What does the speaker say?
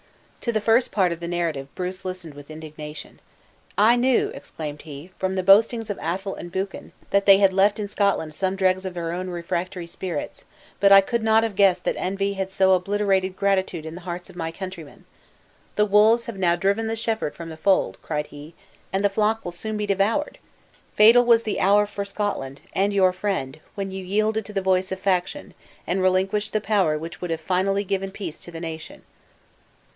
To the first part of the narrative, Bruce listened with indignation. "I knew," exclaimed he, "from the boastings of Athol and Buchan, that they had left in Scotland some dregs of heir own refractory spirits; but I could not have guessed that envy had so obliterated gratitude in the hearts of my countrymen. The wolves have now driven the shepherd from the fold," cried he, "and the flock will soon be devoured! Fatal was the hour for Scotland, and your friend, when you yielded to the voice of faction, and relinquished the power which would have finally given peace to the nation!"